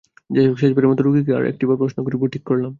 যাই হোক, শেষবারের মতো রোগীকে আর একটিবার প্রশ্ন করব ঠিক করলাম।